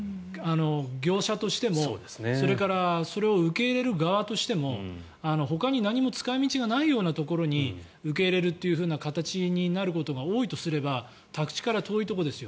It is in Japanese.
業者としてもそれからそれを受け入れる側としてもほかに何も使い道がないようなところに受け入れるという形になることが多いとすれば宅地から遠いところですよ。